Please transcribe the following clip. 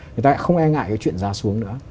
người ta không e ngại cái chuyện ra xuống nữa